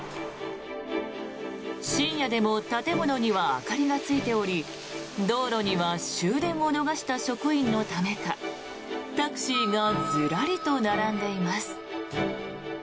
深夜でも建物には明かりがついており道路には終電を逃した職員のためかタクシーがずらりと並んでいます。